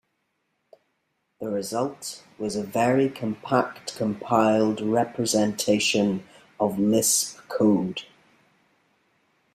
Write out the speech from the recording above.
The result was a very compact compiled representation of Lisp code.